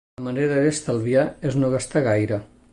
La manera d'estalviar és no gastar gaire.